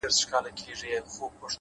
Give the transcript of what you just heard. هر منزل د نوي فهم سرچینه ده؛